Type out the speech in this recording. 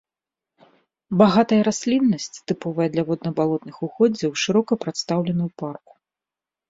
Багатая расліннасць, тыповая для водна-балотных угоддзяў, шырока прадстаўлена ў парку.